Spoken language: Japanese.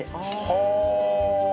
はあ！